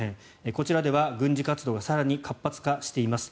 こちらでは軍事活動が更に活発化しています。